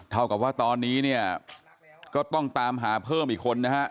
เท่ากับว่าตอนนี้เนี่ยก็ต้องตามหาเพิ่มอีกคนนะฮะ